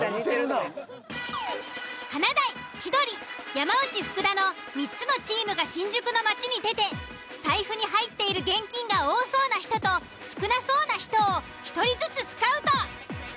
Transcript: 華大千鳥山内・福田の３つのチームが新宿の街に出て財布に入っている現金が多そうな人と少なそうな人を１人ずつスカウト。